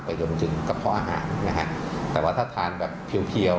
รวมถึงกระเพาะอาหารนะฮะแต่ว่าถ้าทานแบบเพียวเพียว